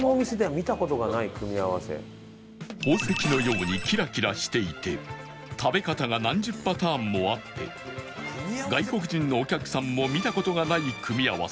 宝石のようにキラキラしていて食べ方が何十パターンもあって外国人のお客さんも見た事がない組み合わせ